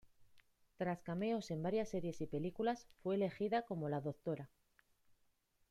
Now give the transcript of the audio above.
Tras cameos en varias series y películas fue elegida como la Dra.